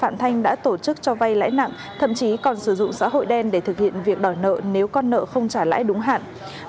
bạn thanh đã tổ chức cho vay lãi nặng thậm chí còn sử dụng xã hội đen để thực hiện việc đòi nợ nếu con nợ không trả lãi đúng hạn